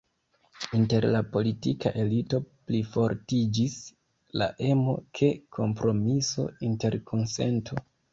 Inter la politika elito plifortiĝis la emo je kompromiso, interkonsento.